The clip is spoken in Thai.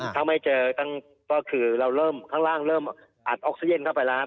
ถ้าไม่เจอก็คือเราเริ่มข้างล่างเริ่มอัดออกซิเจนเข้าไปแล้ว